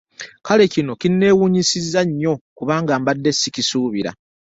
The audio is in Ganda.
Kale kino kinneewuunyisiza nnyo kubanga mbade sikisuubira.